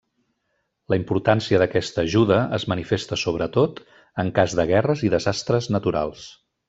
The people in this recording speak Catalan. La importància d'aquesta ajuda és manifesta sobretot en cas de guerres i desastres naturals.